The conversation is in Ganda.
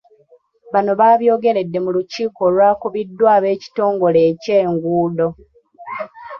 Bano baabyogeredde mu lukiiko olwakubiddwa ab'ekitongole ekye'nguudo.